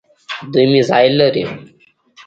دوی میزایل لري.